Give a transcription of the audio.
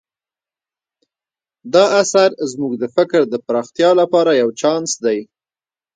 دا اثر زموږ د فکر د پراختیا لپاره یو چانس دی.